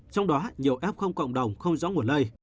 trong đó nhiều f cộng đồng không rõ nguồn lây